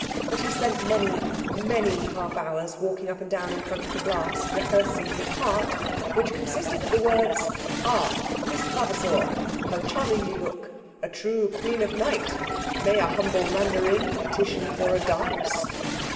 But he spent many, many half hours walking up and down in front of the glass rehearsing his part which consisted of the words, _'Ah, Miss Vavasour, how charming you look a true Queen of Night! May a humble mandarin petition for a dance?'